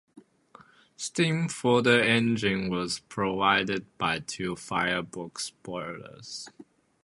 Steam for the engine was provided by two firebox boilers.